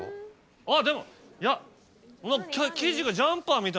あっでもいや何か。